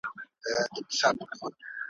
خړي وریځي به رخصت سي نور به نه وي توپانونه `